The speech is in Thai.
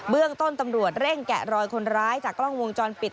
เรื่องต้นตำรวจเร่งแกะรอยคนร้ายจากกล้องวงจรปิด